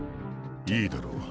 いいだろう。